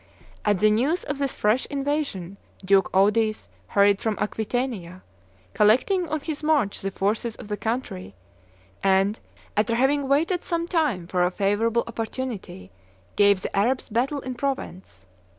At the news of this fresh invasion Duke Eudes hurried from Aquitania, collecting on his march the forces of the country, and, after having waited some time for a favorable opportunity, gave the Arabs battle in Provence.